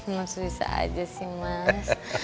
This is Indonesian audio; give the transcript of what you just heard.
masih bisa aja sih mas